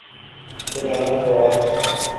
پرانا سوال ہے۔